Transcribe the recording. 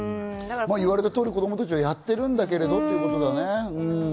言われた通り子供たちはやってるんだけどってことだよね。